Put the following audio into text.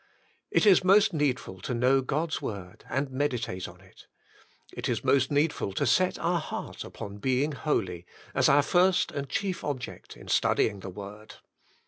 It is most needful to know God's word and meditate on it. It is most needful to set our heart upon being holy, as our first and chief object in studying the Word.